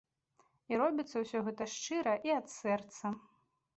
І робіцца гэта ўсё шчыра і ад сэрца.